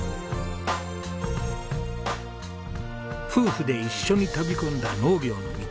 夫婦で一緒に飛び込んだ農業の道。